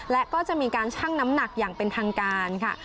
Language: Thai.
และก็จะมีการชั่งน้ำหนักอย่างเป็นทางการค่ะ